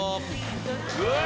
うわ！